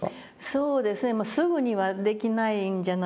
そうですねまあすぐにはできないんじゃないかと思います。